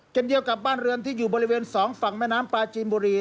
เช่นเดียวกับบ้านเรือนที่อยู่บริเวณ๒ฝั่งแม่น้ำปลาจีนบุรี